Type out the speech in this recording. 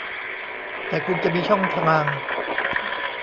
แต่คุณจะมีช่องทาง